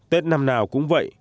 tết năm nào cũng vậy